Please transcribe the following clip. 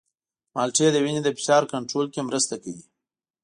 مالټې د وینې د فشار کنټرول کې مرسته کوي.